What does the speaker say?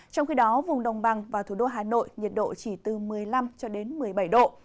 trong khi đó vùng đồng bằng và thủ đô hà nội nhiệt độ chỉ từ một mươi năm một mươi bảy độ